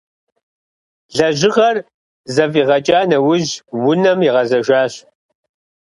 Лэжьыгъэр зэфӏигъэкӏа нэужь унэм игъэзэжащ.